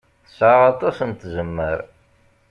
Tesɛa aṭas n tzemmar.